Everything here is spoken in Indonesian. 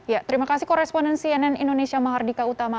ya terima kasih koresponden cnn indonesia mahardika utama